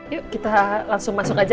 yuk kita langsung masuk aja